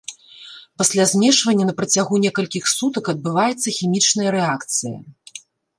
Пасля змешвання на працягу некалькіх сутак адбываецца хімічная рэакцыя.